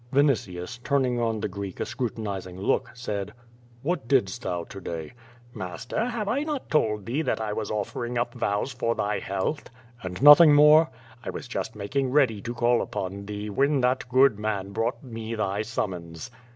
X'initius, turning on the Greek a scrutinizing look, said: What didst thou to day?" JMaster, have I not told thee that I was offering up vows for thy health?" "And nothing more?" "1 was just making ready to call upon thee when that good man brought me thy summons."